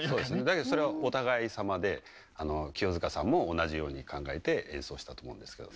だけどそれはお互いさまで清塚さんも同じように考えて演奏したと思うんですけど。